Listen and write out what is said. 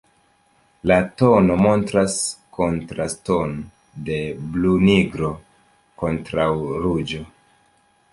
La tono montras kontraston de blu-nigro kontraŭ ruĝo.